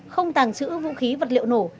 không tàng trữ vũ khí vật liệu nổ